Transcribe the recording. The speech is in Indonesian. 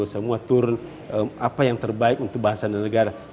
semua turun apa yang terbaik untuk bangsa dan negara